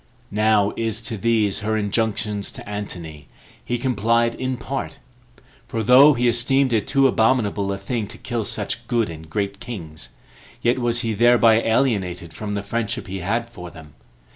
Now is to these her injunctions to Antony, he complied in part; for though he esteemed it too abominable a thing to kill such good and great kings, yet was he thereby alienated from the friendship he had for them.